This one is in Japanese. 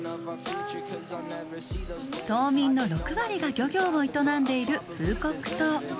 島民の６割が漁業を営んでいるフーコック島。